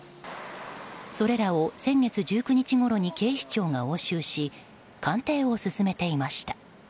それらを先月１９日ごろに警視庁が押収し鑑定を進めていました。